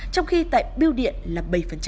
trong khi tại biêu điện là bảy